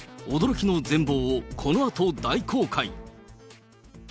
驚きの全貌をこのあと大公開。